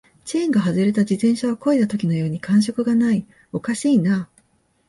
チェーンが外れた自転車を漕いだときのように感触がない、おかしいな